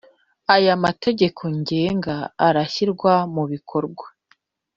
Aya mategeko ngenga azashyirwa mubikorwa